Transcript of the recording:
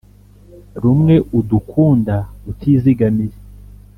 rumwe udukunda utizigamiye